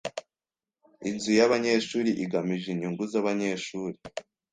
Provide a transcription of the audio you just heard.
Inzu yabanyeshuri igamije inyungu zabanyeshuri.